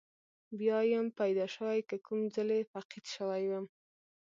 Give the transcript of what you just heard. بیا یم پیدا شوی که کوم ځلې فقید شوی یم.